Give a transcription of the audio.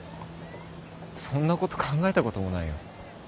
そんなこと考えたこともないよ